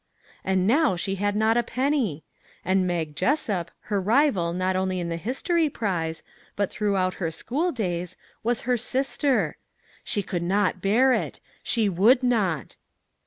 And now she had not a penny ! and Mag Jes sup, her rival not only in the history prize, but throughout her school days, was her sister! She could not bear it ! She would not